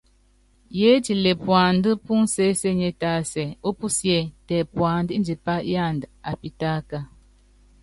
Yiétile puandá púnsésenie tásɛ ópusíé tɛ puandá indipá yanda apítáka.